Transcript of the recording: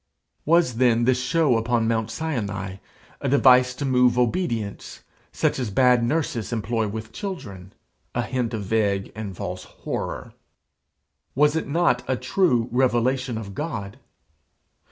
Was then this show upon Mount Sinai a device to move obedience, such as bad nurses employ with children? a hint of vague and false horror? Was it not a true revelation of God?